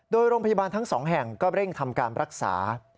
โดยโรงพยาบาลทั้งสองแห่งก็เร่งทำการรักษา